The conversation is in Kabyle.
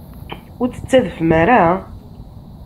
Ur d-tettadfem ara?